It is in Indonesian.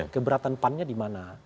keberatan pan nya dimana